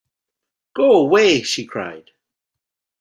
“Go away!” she cried.